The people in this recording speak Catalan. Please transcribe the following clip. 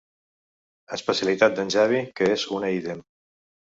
Especialitat d'en Xavi que és una ídem.